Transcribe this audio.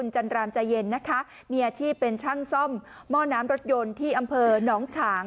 จันรามใจเย็นนะคะมีอาชีพเป็นช่างซ่อมหม้อน้ำรถยนต์ที่อำเภอหนองฉาง